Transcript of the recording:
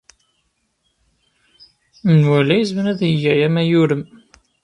Menwala yezmer ad yeg aya ma yurem.